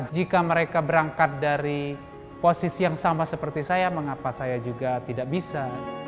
jika mereka berangkat dari posisi yang sama seperti saya mengapa saya juga tidak bisa